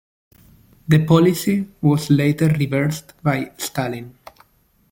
The policy was later reversed by Stalin.